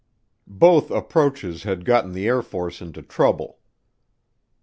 Both approaches had gotten the Air Force into trouble.